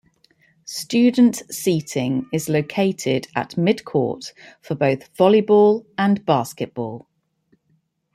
Student seating is located at midcourt for both volleyball and basketball.